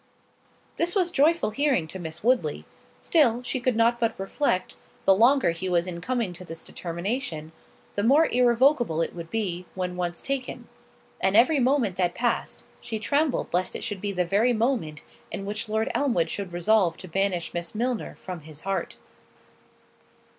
This was joyful hearing to Miss Woodley; still, she could not but reflect, the longer he was in coming to this determination, the more irrevocable it would be, when once taken; and every moment that passed, she trembled lest it should be the very moment, in which Lord Elmwood should resolve to banish Miss Milner from his heart.